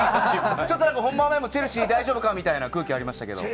本番前のチェルシー大丈夫か、みたいな空気がありましたね。